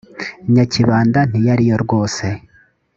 nyakibanda ntiyari yo rwose